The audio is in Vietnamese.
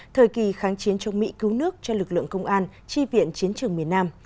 thời kỳ kháng chiến chống mỹ cứu nước cho lực lượng công an chi viện chiến trường miền nam